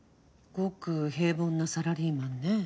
ごく平凡なサラリーマンね。